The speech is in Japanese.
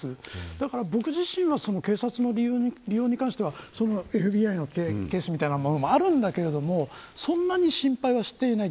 だから、僕自身は警察の利用に関してはＦＢＩのケースみたいなものもあるんだけれどそんなに心配はしていない。